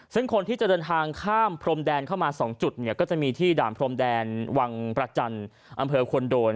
ซึ่งคนที่จะเดินทางข้ามพรมแดนเข้ามา๒จุดเนี่ยก็จะมีที่ด่านพรมแดนวังประจันทร์อำเภอควรโดน